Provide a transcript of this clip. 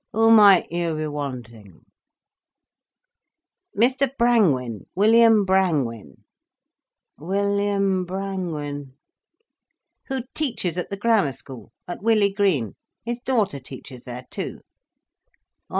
Who might you be wanting?" "Mr Brangwen—William Brangwen." "William Brangwen—?—?" "Who teaches at the Grammar School, at Willey Green—his daughter teaches there too."